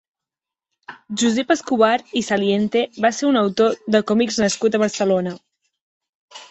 Josep Escobar i Saliente va ser un autor de còmics nascut a Barcelona.